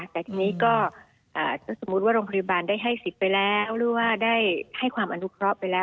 แต่ทีนี้ก็ถ้าสมมุติว่าโรงพยาบาลได้ให้สิทธิ์ไปแล้วหรือว่าได้ให้ความอนุเคราะห์ไปแล้ว